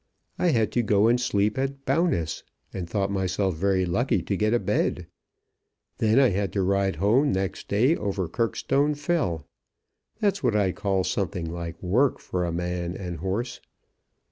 I had to go and sleep at Bowness, and thought myself very lucky to get a bed. Then I had to ride home next day over Kirkstone Fell. That's what I call something like work for a man and horse.